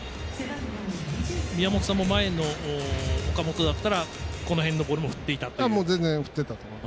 宮本さんも前の岡本だったらこの辺のボールも振っていたという。